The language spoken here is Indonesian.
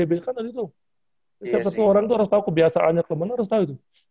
setiap satu orang harus tau kebiasaannya kemana harus tau itu